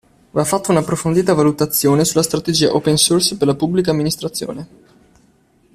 Va fatta un'approfondita valutazione sulla strategia open source per la Pubblica Amministrazione.